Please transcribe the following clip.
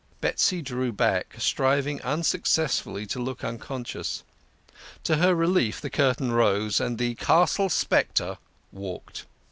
Betsy drew back, striving unsuccessfully to look uncon scious. To her relief the curtain rose, and The Castle Spectre walked.